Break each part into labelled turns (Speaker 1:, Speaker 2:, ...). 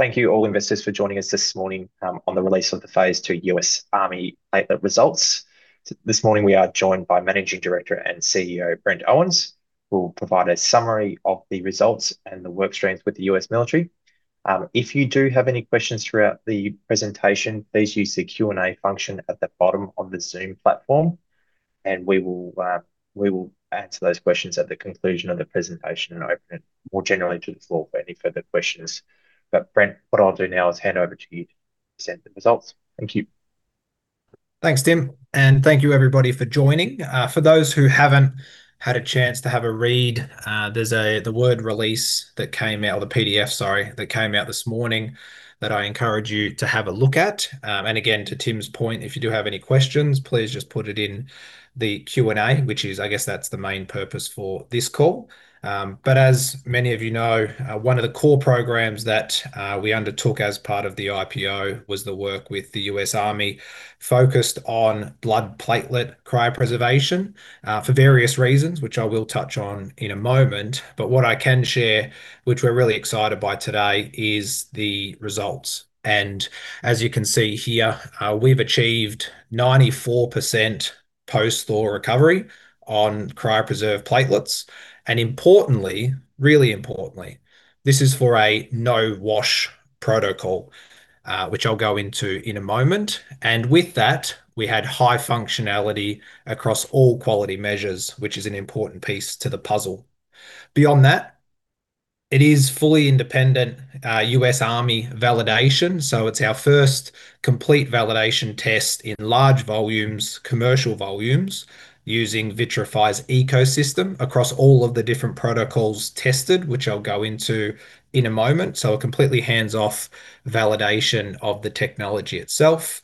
Speaker 1: Thank you all investors for joining us this morning on the release of the phase II U.S. Army platelet results. This morning we are joined by Managing Director and CEO, Brent Owens, who will provide a summary of the results and the work streams with the U.S. Military. If you do have any questions throughout the presentation, please use the Q&A function at the bottom of the Zoom platform, and we will answer those questions at the conclusion of the presentation and open it more generally to the floor for any further questions. Brent, what I'll do now is hand over to you to present the results. Thank you.
Speaker 2: Thanks, Tim. Thank you everybody for joining. For those who haven't had a chance to have a read, there's the word release that came out, the PDF, sorry, that came out this morning that I encourage you to have a look at. Again, to Tim's point, if you do have any questions, please just put it in the Q&A, which is, I guess that's the main purpose for this call. As many of you know, one of the core programs that we undertook as part of the IPO was the work with the U.S. Army, focused on blood platelet cryopreservation. For various reasons, which I will touch on in a moment. What I can share, which we're really excited by today, is the results. As you can see here, we've achieved 94% post-thaw recovery on cryopreserved platelets. Importantly, really importantly, this is for a no-wash protocol, which I'll go into in a moment. With that, we had high functionality across all quality measures, which is an important piece to the puzzle. Beyond that, it is fully independent U.S. Army validation. It's our first complete validation test in large volumes, commercial volumes, using Vitrafy's ecosystem across all of the different protocols tested, which I'll go into in a moment. A completely hands-off validation of the technology itself.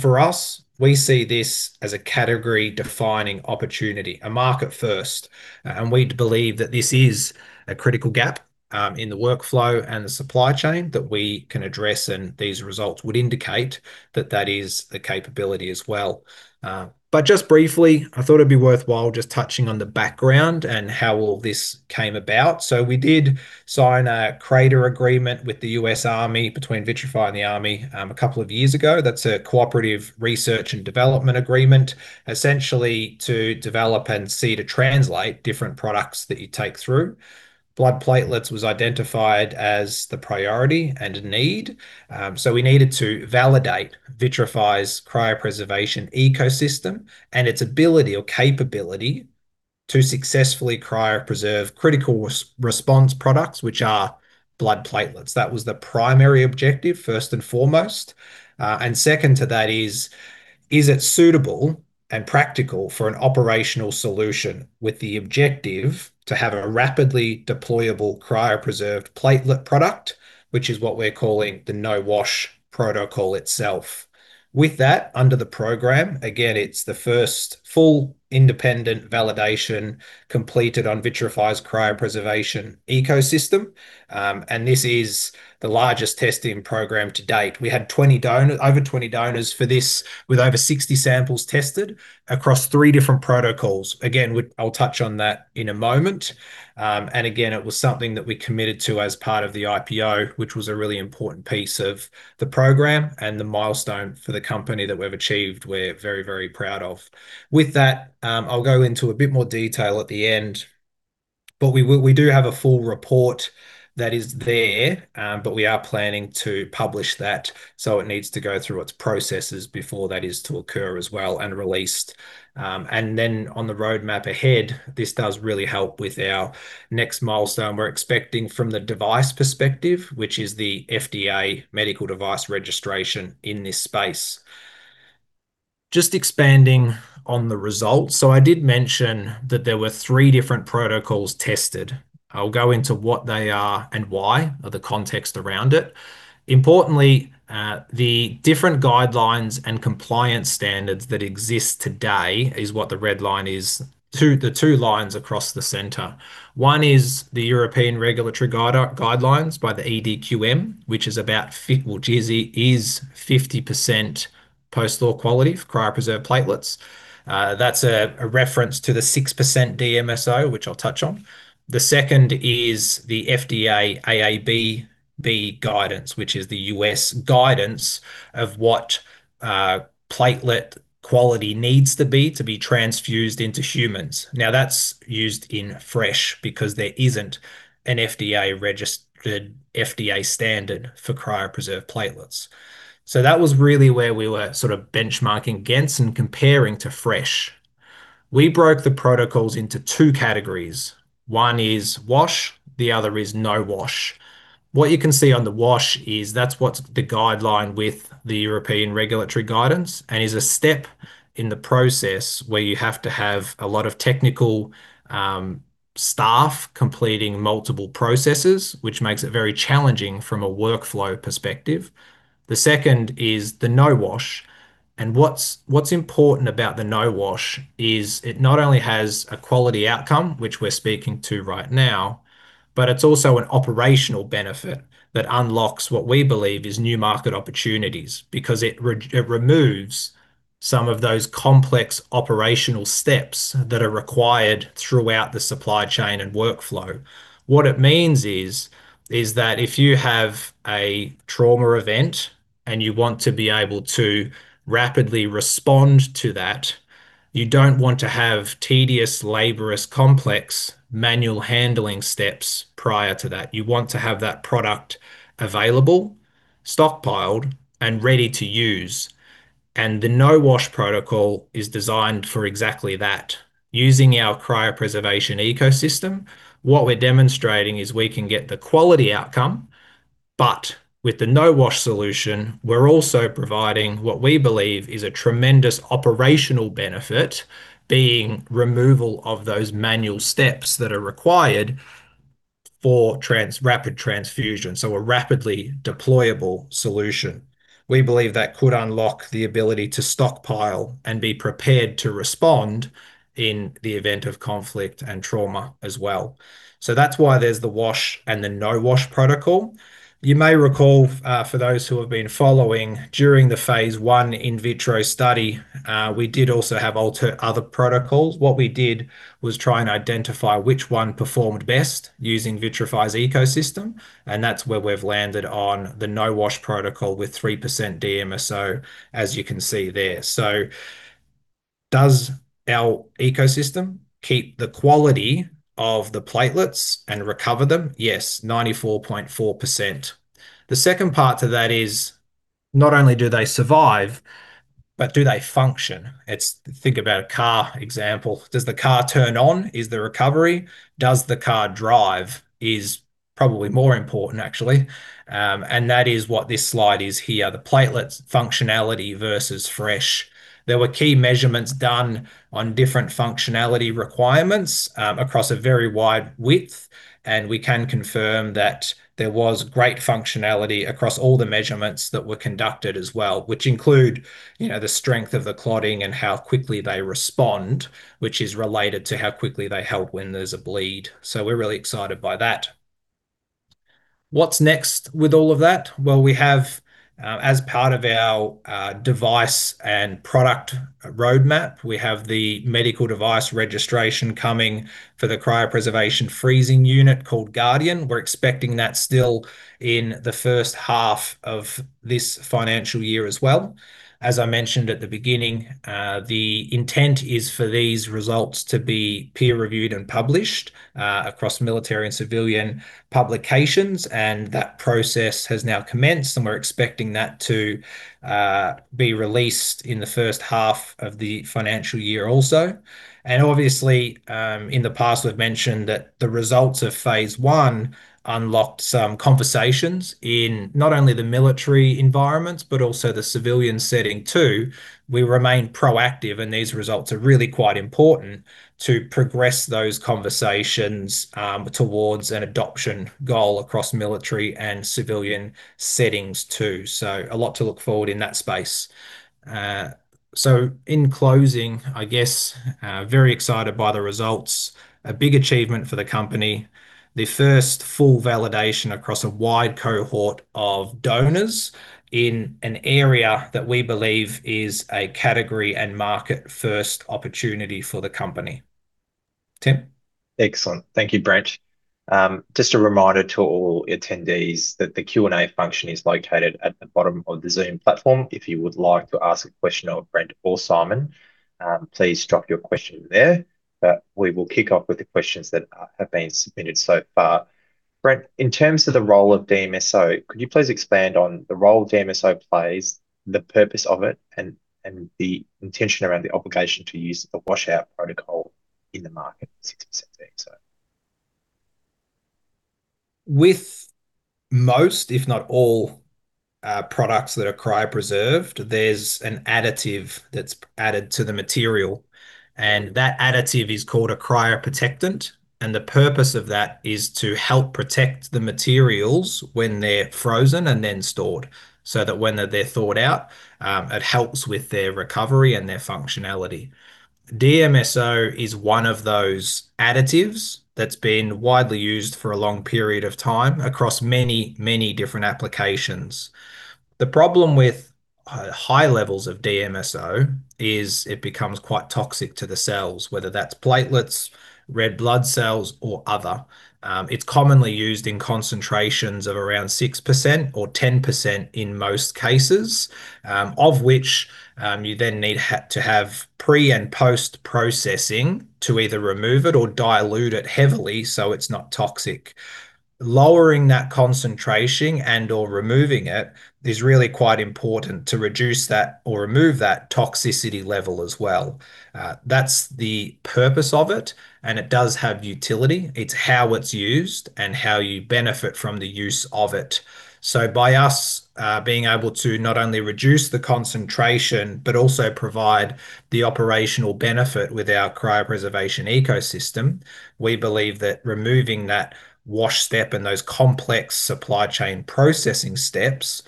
Speaker 2: For us, we see this as a category-defining opportunity, a market first. We believe that this is a critical gap in the workflow and the supply chain that we can address, and these results would indicate that that is the capability as well. Just briefly, I thought it'd be worthwhile just touching on the background and how all this came about. We did sign a CRADA agreement with the U.S. Army between Vitrafy and the Army a couple of years ago. That's a cooperative research and development agreement, essentially to develop and see to translate different products that you take through. Blood platelets was identified as the priority and need. We needed to validate Vitrafy's cryopreservation ecosystem and its ability or capability to successfully cryopreserve critical response products, which are blood platelets. That was the primary objective, first and foremost. Second to that is it suitable and practical for an operational solution with the objective to have a rapidly deployable cryopreserved platelet product, which is what we're calling the no-wash protocol itself. With that, under the program, again, it's the first full independent validation completed on Vitrafy's cryopreservation ecosystem. This is the largest testing program to date. We had over 20 donors for this, with over 60 samples tested across three different protocols. I'll touch on that in a moment. It was something that we committed to as part of the IPO, which was a really important piece of the program, and the milestone for the company that we've achieved, we're very proud of. With that, I'll go into a bit more detail at the end. We do have a full report that is there. We are planning to publish that, so it needs to go through its processes before that is to occur as well and released. On the roadmap ahead, this does really help with our next milestone we're expecting from the device perspective, which is the FDA medical device registration in this space. Just expanding on the results. I did mention that there were three different protocols tested. I'll go into what they are and why, or the context around it. Importantly, the different guidelines and compliance standards that exist today is what the red line is. The two lines across the center. One is the European regulatory guidelines by the EDQM, which is about fit, which is 50% post-thaw recovery for cryopreserved platelets. That's a reference to the 6% DMSO, which I'll touch on. The second is the FDA AABB guidance, which is the U.S. guidance of what platelet quality needs to be to be transfused into humans. That's used in fresh because there isn't an FDA standard for cryopreserved platelets. That was really where we were benchmarking against and comparing to fresh. We broke the protocols into two categories. One is wash, the other is no-wash. What you can see on the wash is that's what's the guideline with the European regulatory guidance, and is a step in the process where you have to have a lot of technical staff completing multiple processes, which makes it very challenging from a workflow perspective. The second is the no-wash. What's important about the no-wash is it not only has a quality outcome, which we're speaking to right now, but it's also an operational benefit that unlocks what we believe is new market opportunities because it removes some of those complex operational steps that are required throughout the supply chain and workflow. What it means is that if you have a trauma event, and you want to be able to rapidly respond to that, you don't want to have tedious, laborious, complex manual handling steps prior to that. You want to have that product available, stockpiled, and ready to use. The no-wash protocol is designed for exactly that. Using our cryopreservation ecosystem, what we're demonstrating is we can get the quality outcome, but with the no-wash solution, we're also providing what we believe is a tremendous operational benefit being removal of those manual steps that are required for rapid transfusion, so a rapidly deployable solution. We believe that could unlock the ability to stockpile and be prepared to respond in the event of conflict and trauma as well. That's why there's the wash and the no-wash protocol. You may recall, for those who have been following during the phase I in vitro study, we did also have other protocols. What we did was try and identify which one performed best using Vitrafy's ecosystem, and that's where we've landed on the no-wash protocol with 3% DMSO, as you can see there. Does our ecosystem keep the quality of the platelets and recover them? Yes, 94.4%. The second part to that is not only do they survive, but do they function? Think about a car example. Does the car turn on is the recovery. Does the car drive is probably more important, actually, and that is what this slide is here, the platelet's functionality versus fresh. There were key measurements done on different functionality requirements across a very wide width, and we can confirm that there was great functionality across all the measurements that were conducted as well, which include the strength of the clotting and how quickly they respond, which is related to how quickly they help when there's a bleed. We're really excited by that. What's next with all of that? Well, as part of our device and product roadmap, we have the medical device registration coming for the cryopreservation freezing unit called Guardion. We're expecting that still in the first half of this financial year as well. As I mentioned at the beginning, the intent is for these results to be peer reviewed and published across military and civilian publications, and that process has now commenced, and we're expecting that to be released in the first half of the financial year also. Obviously, in the past we've mentioned that the results of phase I unlocked some conversations in not only the military environments, but also the civilian setting too. We remain proactive, these results are really quite important to progress those conversations towards an adoption goal across military and civilian settings too. A lot to look forward in that space. In closing, I guess very excited by the results. A big achievement for the company. The first full validation across a wide cohort of donors in an area that we believe is a category and market first opportunity for the company. Tim?
Speaker 1: Excellent. Thank you, Brent. Just a reminder to all attendees that the Q&A function is located at the bottom of the Zoom platform. If you would like to ask a question of Brent or Simon, please drop your question there. We will kick off with the questions that have been submitted so far. Brent, in terms of the role of DMSO, could you please expand on the role DMSO plays, the purpose of it, and the intention around the obligation to use the washout protocol in the market at 6% DMSO?
Speaker 2: With most, if not all products that are cryopreserved, there's an additive that's added to the material, and that additive is called a cryoprotectant. The purpose of that is to help protect the materials when they're frozen and then stored, so that when they're thawed out, it helps with their recovery and their functionality. DMSO is one of those additives that's been widely used for a long period of time across many, many different applications. The problem with high levels of DMSO is it becomes quite toxic to the cells, whether that's platelets, red blood cells, or other. It's commonly used in concentrations of around 6% or 10% in most cases, of which you then need to have pre and post-processing to either remove it or dilute it heavily so it's not toxic. Lowering that concentration and/or removing it is really quite important to reduce that or remove that toxicity level as well. That's the purpose of it, and it does have utility. It's how it's used and how you benefit from the use of it. By us being able to not only reduce the concentration, but also provide the operational benefit with our cryopreservation ecosystem, we believe that removing that wash step and those complex supply chain processing steps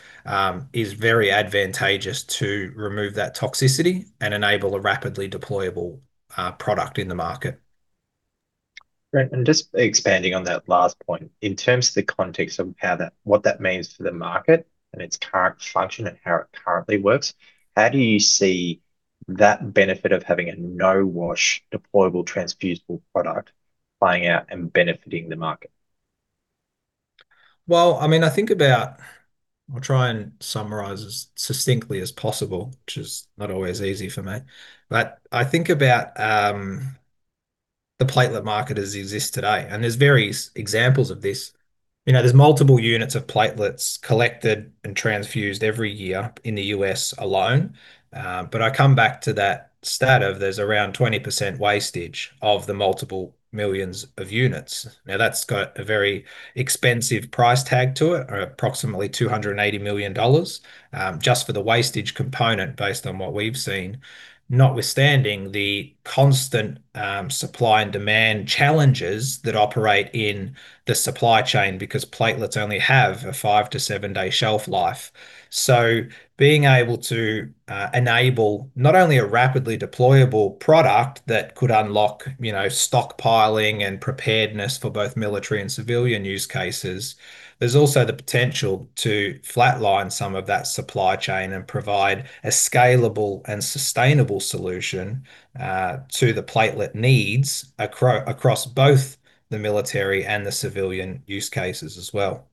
Speaker 2: is very advantageous to remove that toxicity and enable a rapidly deployable product in the market.
Speaker 1: Brent, just expanding on that last point, in terms of the context of what that means for the market and its current function and how it currently works, how do you see that benefit of having a no-wash deployable transfusible product playing out and benefiting the market?
Speaker 2: Well, I think about I'll try and summarize as succinctly as possible, which is not always easy for me. I think about the platelet market as it exists today, and there's various examples of this. There's multiple units of platelets collected and transfused every year in the U.S. alone. I come back to that stat of there's around 20% wastage of the multiple millions of units. Now, that's got a very expensive price tag to it, approximately 280 million dollars, just for the wastage component based on what we've seen. Notwithstanding the constant supply and demand challenges that operate in the supply chain because platelets only have a five to seven-day shelf life. Being able to enable not only a rapidly deployable product that could unlock stockpiling and preparedness for both military and civilian use cases, there's also the potential to flatline some of that supply chain and provide a scalable and sustainable solution to the platelet needs across both the military and the civilian use cases as well.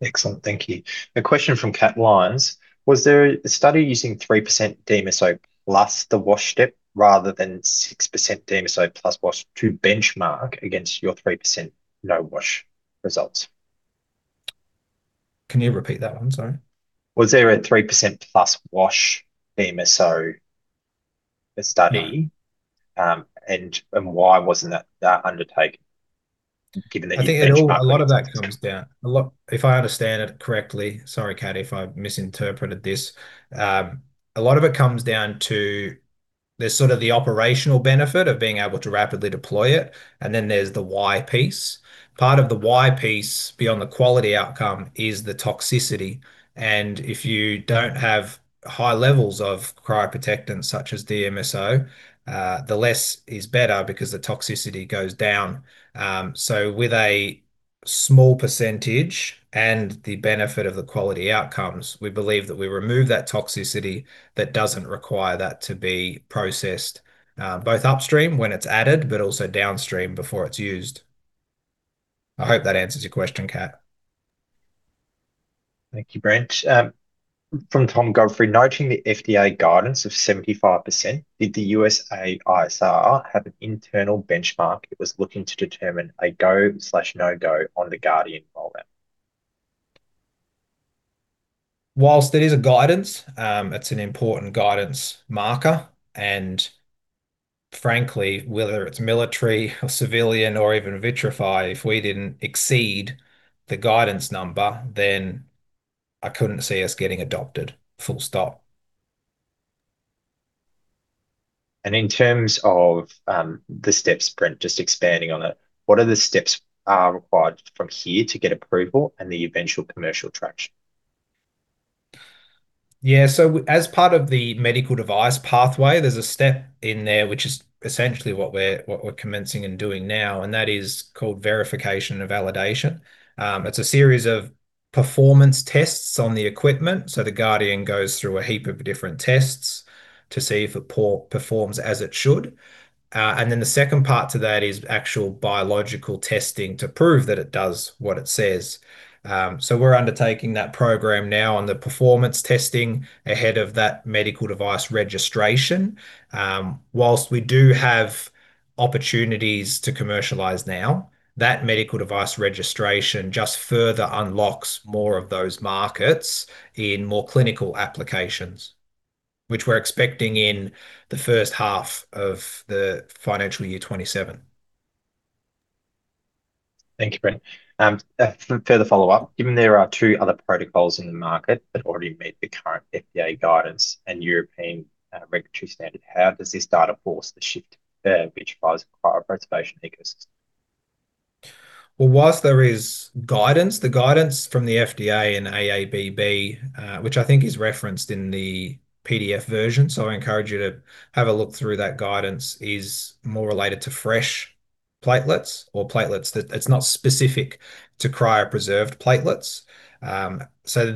Speaker 1: Excellent. Thank you. A question from [Kat Wons]. Was there a study using 3% DMSO plus the wash step rather than 6% DMSO plus wash to benchmark against your 3% no-wash results?
Speaker 2: Can you repeat that one? Sorry.
Speaker 1: Was there a 3%+ wash DMSO study?
Speaker 2: No.
Speaker 1: Why wasn't that undertaken given that you benchmarked?
Speaker 2: I think a lot of that comes down If I understand it correctly, sorry, [Kat], if I've misinterpreted this. A lot of it comes down to there's sort of the operational benefit of being able to rapidly deploy it, and then there's the why piece. Part of the why piece beyond the quality outcome is the toxicity. If you don't have high levels of cryoprotectant, such as DMSO, the less is better because the toxicity goes down. With a small percentage and the benefit of the quality outcomes, we believe that we remove that toxicity that doesn't require that to be processed both upstream when it's added, but also downstream before it's used. I hope that answers your question, [Kat].
Speaker 1: Thank you, Brent. From [Tom Godfrey]. Noticing the FDA guidance of 75%, did the USAISR have an internal benchmark it was looking to determine a go/no go on the Guardion rollout?
Speaker 2: Whilst it is a guidance, it's an important guidance marker, and frankly, whether it's military or civilian or even Vitrafy, if we didn't exceed the guidance number, then I couldn't see us getting adopted, full stop.
Speaker 1: In terms of the steps, Brent, just expanding on it, what are the steps are required from here to get approval and the eventual commercial traction?
Speaker 2: Yeah. As part of the medical device pathway, there's a step in there, which is essentially what we're commencing and doing now, and that is called verification and validation. It's a series of performance tests on the equipment. The Guardion goes through a heap of different tests to see if it performs as it should. The second part to that is actual biological testing to prove that it does what it says. We're undertaking that program now on the performance testing ahead of that medical device registration. Whilst we do have opportunities to commercialize now, that medical device registration just further unlocks more of those markets in more clinical applications, which we're expecting in the first half of the financial year 2027.
Speaker 1: Thank you, Brent. Further follow-up. Given there are two other protocols in the market that already meet the current FDA guidance and European regulatory standard, how does this data force the shift Vitrafy's cryopreservation ecosystem?
Speaker 2: Well, whilst there is guidance, the guidance from the FDA and the AABB, which I think is referenced in the PDF version, so I encourage you to have a look through that guidance, is more related to fresh platelets or platelets that It's not specific to cryopreserved platelets.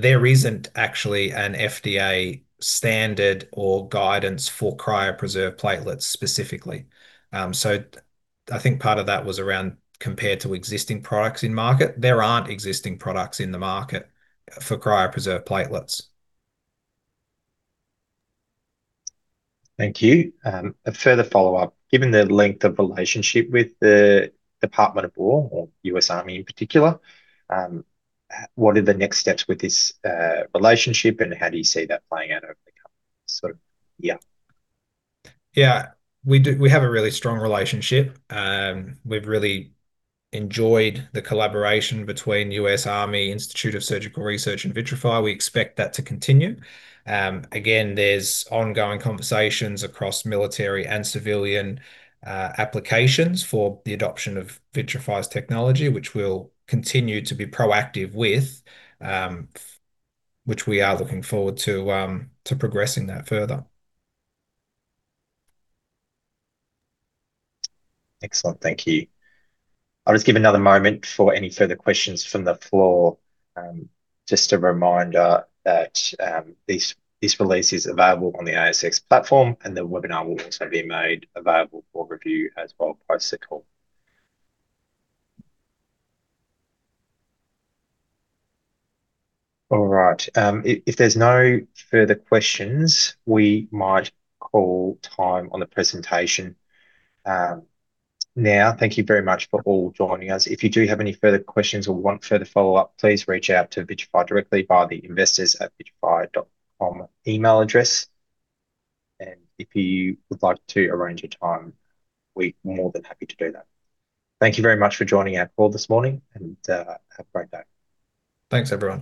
Speaker 2: There isn't actually an FDA standard or guidance for cryopreserved platelets specifically. I think part of that was around compared to existing products in market. There aren't existing products in the market for cryopreserved platelets.
Speaker 1: Thank you. A further follow-up. Given the length of relationship with the Department of War or U.S. Army in particular, what are the next steps with this relationship, and how do you see that playing out over the coming sort of year?
Speaker 2: Yeah. We have a really strong relationship. We've really enjoyed the collaboration between U.S. Army Institute of Surgical Research and Vitrafy. We expect that to continue. Again, there's ongoing conversations across military and civilian applications for the adoption of Vitrafy's technology, which we'll continue to be proactive with, which we are looking forward to progressing that further.
Speaker 1: Excellent. Thank you. I'll just give another moment for any further questions from the floor. Just a reminder that this release is available on the ASX platform, and the webinar will also be made available for review as well post the call. All right. If there's no further questions, we might call time on the presentation. Thank you very much for all joining us. If you do have any further questions or want further follow-up, please reach out to Vitrafy directly via the investors@vitrafy.com email address. If you would like to arrange a time, we're more than happy to do that. Thank you very much for joining our call this morning, and have a great day.
Speaker 2: Thanks, everyone.